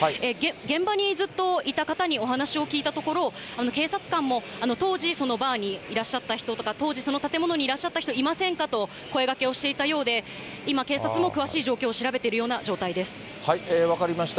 現場にずっといた方にお話を聞いたところ、警察官も当時、そのバーにいらっしゃった人とか、当時、その建物にいらっしゃった人、いませんかと声かけをしていたようで、今、警察も詳しい状況を調分かりました。